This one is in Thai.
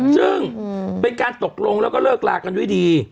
ซึ่งเป็นการตกลงแล้วก็เลิกลากันด้วยดี